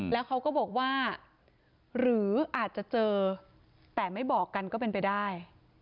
แล้วเขาก็บอกว่าหรืออาจจะเจอแต่ไม่บอกกันก็เป็นไปได้